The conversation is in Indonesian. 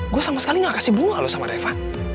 gue sama sekali gak kasih bunga loh sama reva